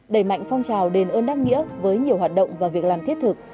đẩy mạnh phong trào đền ơn đáp nghĩa với nhiều hoạt động và việc làm thiết thực